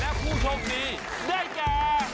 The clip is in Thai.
และผู้โชคดีได้แก่